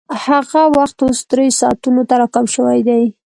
هغه وخت اوس درېیو ساعتونو ته راکم شوی دی